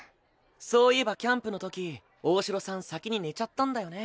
そういえばキャンプのとき大城さん先に寝ちゃったんだよね。